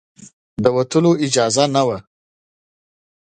د وتلو اجازه نه وه.